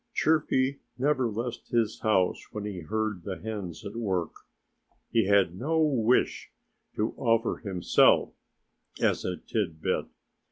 Chirpy never left his house when he heard the hens at work. He had no wish to offer himself as a tidbit.